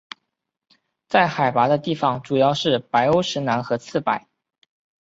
在海拔的地方主要是白欧石楠和刺柏。